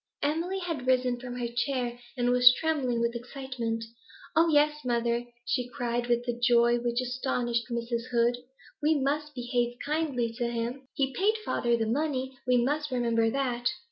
Emily had risen from her chair, and was trembling with excitement. 'Oh yes, mother,' she cried, with a joy which astonished Mrs. Heed, 'we must behave kindly to him. He paid father the money; we must remember that.'